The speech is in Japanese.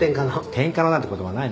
転カノなんて言葉ない。